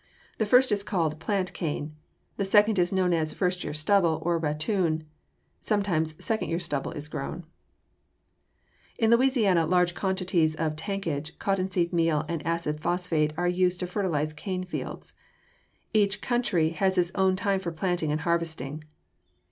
The first is called plant cane; the second is known as first year stubble, or ratoon. Sometimes second year stubble is grown. [Illustration: FIG. 217. A COMMON TYPE OF SIRUP FACTORY] In Louisiana large quantities of tankage, cotton seed meal, and acid phosphate are used to fertilize cane fields. Each country has its own time for planting and harvesting.